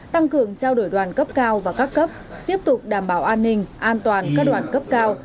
tăng cường trao đổi đoàn cấp cao và các cấp tiếp tục đảm bảo an ninh an toàn các đoàn cấp cao